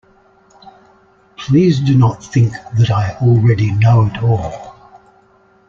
Please do not think that I already know it all.